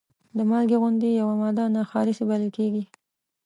د مالګې غوندې یوه ماده ناخالصې بلل کیږي.